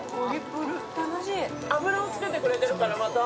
脂をつけてくれてるからまた。